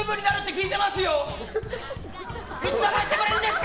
いつ流してくれるんですか！